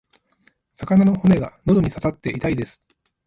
魚の骨が喉に刺さって痛いです。